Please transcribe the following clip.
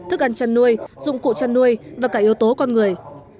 thức ăn chăn nuôi dụng cụ chăn nuôi và cả yếu tố con người